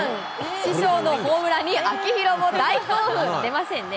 師匠のホームランに秋広も大興奮、出ませんね。